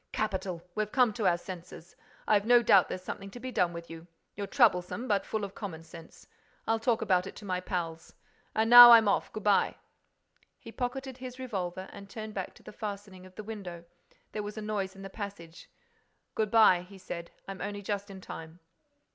"Capital! We've come to our senses. I've no doubt there's something to be done with you.—You're troublesome, but full of common sense. I'll talk about it to my pals. And now I'm off. Good bye!" He pocketed his revolver and turned back the fastening of the window. There was a noise in the passage. "Good bye," he said again. "I'm only just in time."